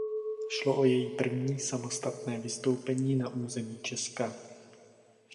Šlo o její první samostatné vystoupení na území Česka.